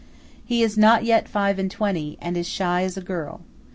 He is not yet five and twenty, and is as shy as a girl.